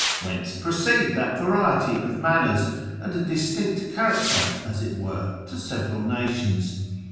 Whence proceed that variety of manners, and a distinct character (as it were) to several nations?